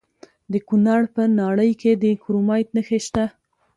د کونړ په ناړۍ کې د کرومایټ نښې شته.